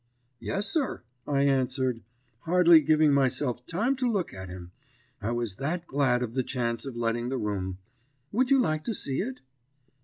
"'Yes, sir,' I answered, hardly giving myself time to look at him, I was that glad of the chance of letting the room; 'would you like to see it?'